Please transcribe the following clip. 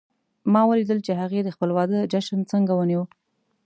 ما ولیدل چې هغې د خپل واده جشن څنګه ونیو